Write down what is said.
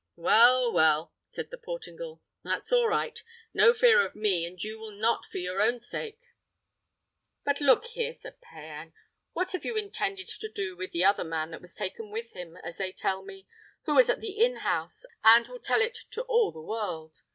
"Well, well," said the Portingal, "that's all right. No fear of me, and you will not for your own sake. But look here, Sir Payan. What have you intended to do with the other man that was taken with him, as they tell me, who was at the inn house, and will tell it to all the world?